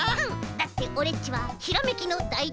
だってオレっちはひらめきのだいてんさいだから。